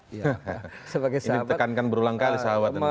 ini ditekankan berulang kali sahabat